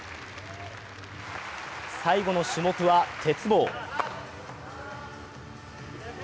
最後の種目は鉄棒。